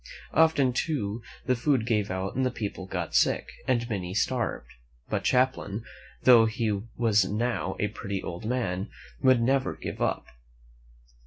Often, too, the food gave out and the people got sick and many starved. But Champlain, though he was now a pretty old man, would never give up.